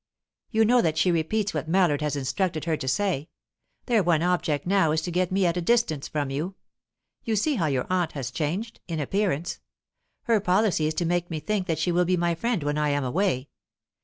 "You know that she repeats what Mallard has instructed her to say? Their one object now is to get me at a distance from you. You see how your aunt has changed in appearance; her policy is to make me think that she will be my friend when I am away.